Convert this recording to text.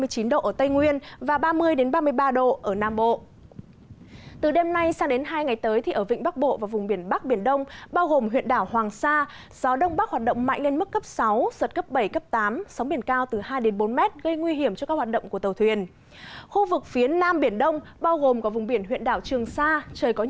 hãy đăng kí cho kênh lalaschool để không bỏ lỡ những video hấp dẫn